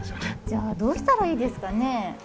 じゃあどうしたらいいですかね？